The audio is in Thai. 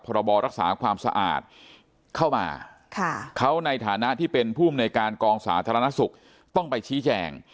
บรักษาความสะอาดเข้ามาเขาในฐานะที่เป็นผู้อำนวยการกองสาธารณสุขต้องไปชี้แจง